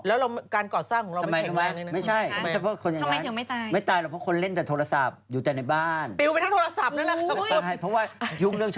แล้วการกอดสร้างของเรามันเป็นแข็งแรงนึง